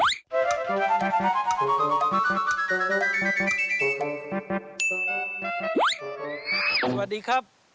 สวัสดีครับ